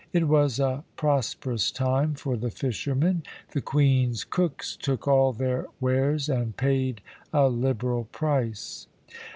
It was a prosperous time for the fishermen; the Queen's cooks took all their wares and paid a liberal price.